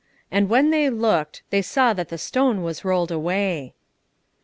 "And when they looked, they saw that the stone was rolled away."